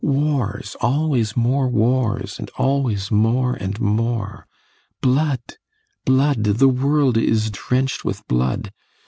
Wars, always more wars, and always more and more. Blood, blood the world is drenched with blood!